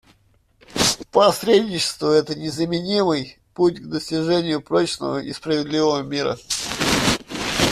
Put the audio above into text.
Посредничество — это незаменимый путь к достижению прочного и справедливого мира.